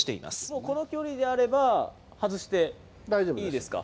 もうこの距離であれば、外していいですか？